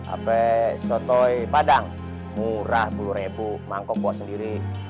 apa sotoi padang murah puluh ribu mangkok buat sendiri